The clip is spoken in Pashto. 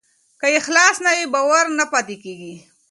که اخلاص نه وي، باور نه پاتې کېږي.